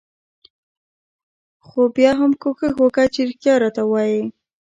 خو بيا هم کوښښ وکه چې رښتيا راته وايې.